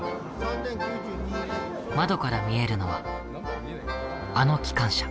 窓から見えるのはあの機関車。